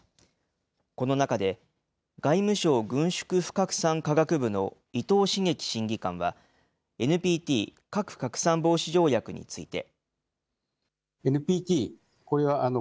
この中で、外務省軍縮不拡散・科学部の伊藤茂樹審議官は、ＮＰＴ・核拡散防止条約について。